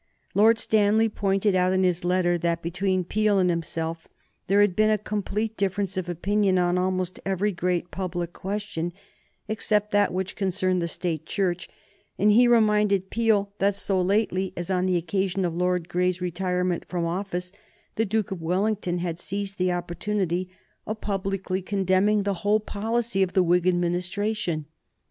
Lord Stanley pointed out, in his letter, that between Peel and himself there had been a complete difference of opinion on almost every great public question except that which concerned the State Church, and he reminded Peel that so lately as on the occasion of Lord Grey's retirement from office the Duke of Wellington had seized the opportunity of publicly condemning the whole policy of the Whig Administration.